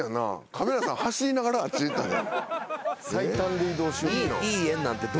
カメラさん走りながらあっち行ったで。